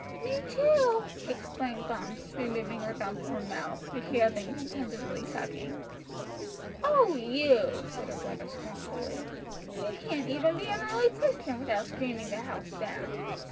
"Me too!" exclaimed Bumps, removing her thumb from her mouth, which she had been contentedly sucking. "Oh, you!" said her brother scornfully. "You can't even be an early Christian without screaming the house down!